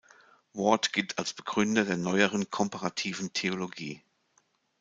Ward gilt als Begründer der neueren Komparativen Theologie.